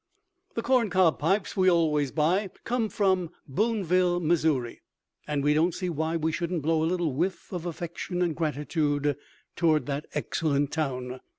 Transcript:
The corncob pipes we always buy come from Boonville, Mo., and we don't see why we shouldn't blow a little whiff of affection and gratitude toward that excellent town.